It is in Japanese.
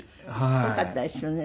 よかったですよね